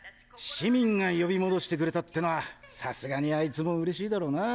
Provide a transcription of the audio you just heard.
市民が呼び戻してくれたってのはさすがにアイツも嬉しいだろうな。